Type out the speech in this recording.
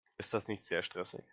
Ist das nicht sehr stressig?